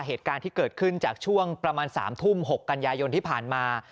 เหตุการณ์ที่เกิดขึ้นจากช่วงประมาณ๓ทุ่ม๖กันยายนที่ผ่านมา